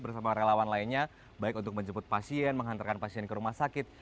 bersama relawan lainnya baik untuk menjemput pasien menghantarkan pasien ke rumah sakit